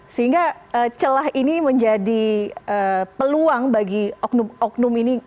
sehingga celah ini menjadi peluang bagi oknum oknum ini